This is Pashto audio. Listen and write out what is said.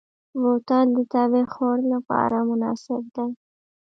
بوتل د طبعي خوړ لپاره مناسب دی.